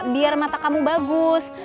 biar mata kamu bagus